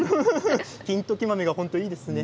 金時豆が本当にいいですね